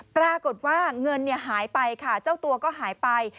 ปรากฏว่าเงินหายไปค่ะเจ้าตัวก็หายไป